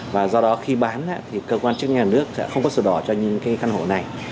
và do đó khi bán thì cơ quan chức nhà nước sẽ không có sổ đỏ cho những cái căn hộ này